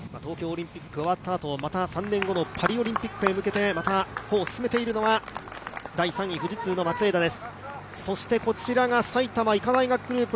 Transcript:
東京オリンピックが終わったあと、また３年後のパリオリンピックに向けてまた歩を進めているのは、第３位、富士通の松枝です。